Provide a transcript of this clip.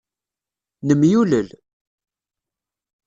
Nemyulel.